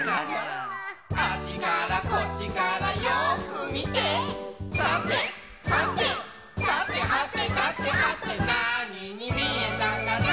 あっちからこっちからよくみてさてはてさてはてさてはてなににみえたかな